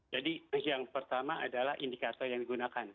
jadi yang pertama adalah indikator yang digunakan